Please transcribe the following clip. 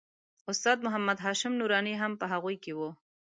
استاد محمد هاشم نوراني هم په هغوی کې و.